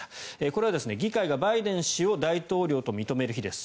これは議会がバイデン氏を大統領と認める日です。